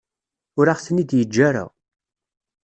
Ur aɣ-ten-id-yeǧǧa ara.